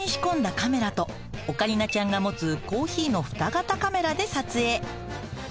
カメラとオカリナちゃんが持つコーヒーのふた型カメラで撮影。